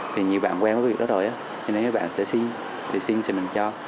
thì nhiều bạn quen với việc đó rồi nên mấy bạn sẽ xin xin thì mình cho